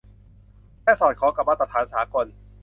และสอดคล้องกับมาตรฐานสากล